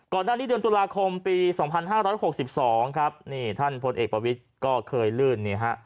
ก่อนด้านนี้เดือนตุลาคมปี๒๕๖๒ครับนี่ท่านผลเอกประวิทย์ก็เคยลื่น